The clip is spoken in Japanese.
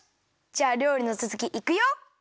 じゃありょうりのつづきいくよ！